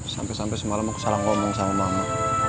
sampai sampai semalam aku salah ngomong sama mama